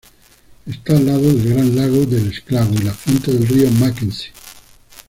Está al lado del Gran Lago del Esclavo y la fuente del río Mackenzie.